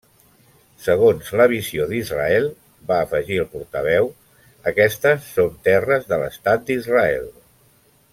Segons la visió d'Israel, va afegir el portaveu, aquestes són terres de l'Estat d'Israel.